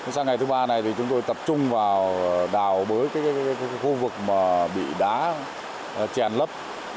sang ngày thứ ba này thì chúng tôi tập trung vào đào bới cái khu vực bị đá chèn lấp